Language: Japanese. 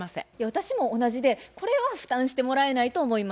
私も同じでこれは負担してもらえないと思います。